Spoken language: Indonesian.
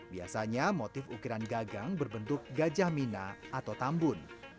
biasanya motif ukiran gagang berbentuk gajah mina atau tambun